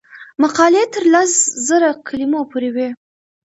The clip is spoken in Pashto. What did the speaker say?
مقالې تر لس زره کلمو پورې وي.